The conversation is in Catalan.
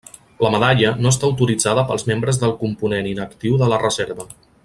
La medalla no està autoritzada pels membres del component inactiu de la reserva.